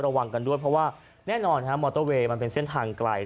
ระวังกันด้วยเพราะว่าแน่นอนมอเตอร์เวย์มันเป็นเส้นทางไกล